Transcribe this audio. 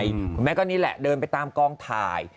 คุณแม่ก็นี่แหละเดินไปตามกองถ่าย